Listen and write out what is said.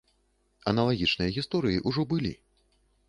Аналагічныя гісторыі ўжо былі.